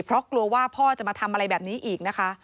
เพราะกลัวว่าพ่อจะมาทำอะไรแบบนี้อีกนะคะ